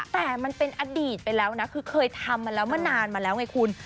แต่มันเป็นอดีตไปแล้วนะคือเคยทำมาแล้วเมื่อนานมาแล้วไงคุณ